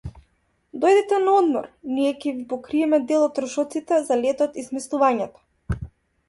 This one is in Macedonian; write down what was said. Дојдете на одмор, ние ќе ви покриеме дел од трошоците за летот и сместувањето